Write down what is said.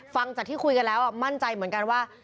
ฟังจากที่คุยกันแล้วมั่นใจเหมือนกันว่า